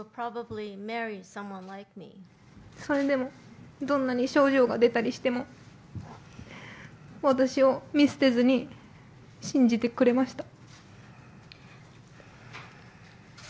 それでもどんなに症状が出たりしても、私を見捨てずに信じてくれました。